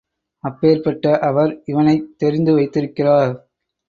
அப்பேர்ப்பட்ட அவர் இவனைத் தெரிந்து வைத்திருக்கிறார்.